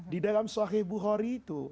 di dalam suatu hal ini